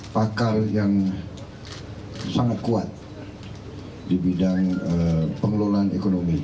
pakar yang sangat kuat di bidang pengelolaan ekonomi